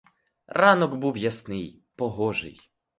Ранок був ясний, погожий.